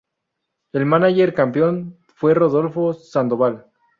El mánager campeón fue Rodolfo Sandoval.